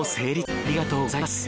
ありがとうございます。